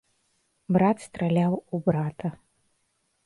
Брат страляў у брата.